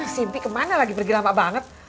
si impi kemana lagi pergi lama banget